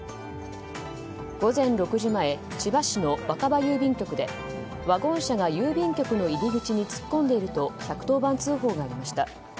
午前６時前千葉市の若葉郵便局でワゴン車が郵便局の入り口に突っ込んでいると１１０番通報がありました。